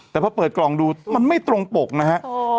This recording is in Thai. แต่พอเปิดกล่องดูมันไม่ตรงปกนะฮะ